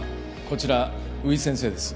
こちら宇井先生です